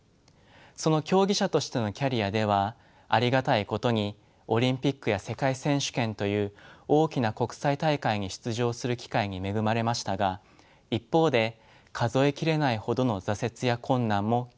その競技者としてのキャリアではありがたいことにオリンピックや世界選手権という大きな国際大会に出場する機会に恵まれましたが一方で数え切れないほどの挫折や困難も経験しました。